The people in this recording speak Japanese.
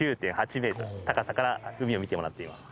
高さから海を見てもらっています。